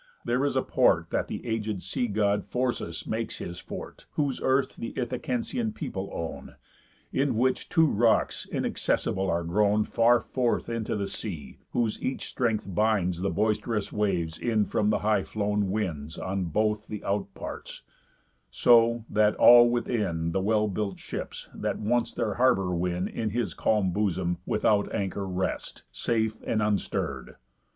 There is a port, That th' aged sea God Phorcys makes his fort, Whose earth the Ithacensian people own, In which two rocks inaccessible are grown Far forth into the sea, whose each strength binds The boist'rous waves in from the high flown winds On both the out parts so, that all within The well built ships, that once their harbour win In his calm bosom, without anchor rest, Safe, and unstirr'd.